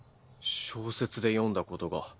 小説で読んだことが。